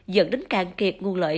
dẫn đến càng kiệt nguồn lợi